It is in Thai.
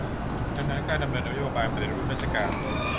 ดังนั้น การดำเนินนโยบายปฏิรูปราชการ